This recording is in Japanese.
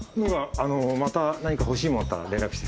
あのまた何か欲しいもんあったら連絡して。